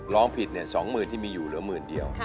ร้องผิดเนี่ย๒หมื่นที่มีอยู่เหลือหมื่นเดียว